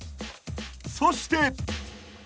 ［そして！］